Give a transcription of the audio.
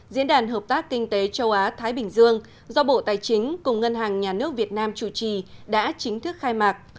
diễn đàn hợp tác kinh tế châu á thái bình dương do bộ tài chính cùng ngân hàng nhà nước việt nam chủ trì đã chính thức khai mạc